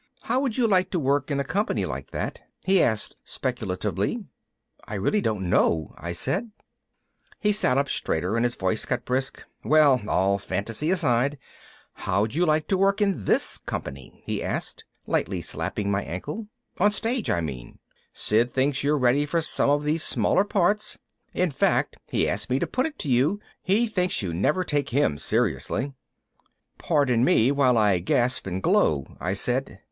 "How would you like to work in a company like that?" he asked speculatively. "I don't really know," I said. He sat up straighter and his voice got brisk. "Well, all fantasy aside, how'd you like to work in this company?" He asked, lightly slapping my ankle. "On the stage, I mean. Sid thinks you're ready for some of the smaller parts. In fact, he asked me to put it to you. He thinks you never take him seriously." "Pardon me while I gasp and glow," I said.